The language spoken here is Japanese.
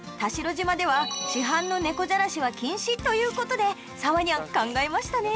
島では市販の猫じゃらしは禁止ということで砂羽ニャン考えましたね